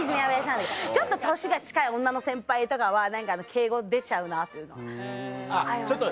ちょっと年が近い女の先輩とかは何か敬語出ちゃうなっていうのはありますね。